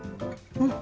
うん。